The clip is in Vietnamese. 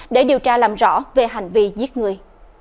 để điều tra làm rõ về hành vi giết người